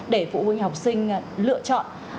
để phụ huynh học sinh lựa chọn